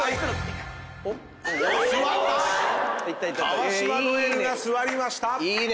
川島如恵留が座りました！